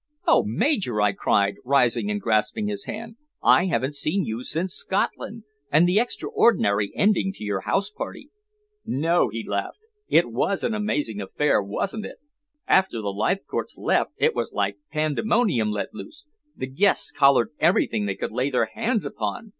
"Oh, Major!" I cried, rising and grasping his hand. "I haven't seen you since Scotland, and the extraordinary ending to your house party." "No," he laughed. "It was an amazing affair, wasn't it? After the Leithcourts left it was like pandemonium let loose; the guests collared everything they could lay their hands upon!